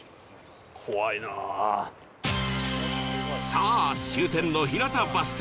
さあ終点の日向バス停へ